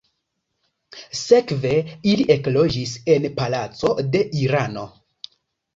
Sekve ili ekloĝis en palaco de Irano.